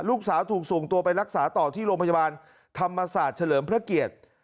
ลูกสาวถูกส่งตัวไปรักษาต่อที่โรงพยาบาลธรรมศาสตร์เฉลิมพระเกียรติ